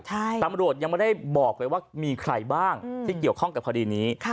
ตำรวจยังไม่ได้บอกเลยว่ามีใครบ้างที่เกี่ยวข้องกับคดีนี้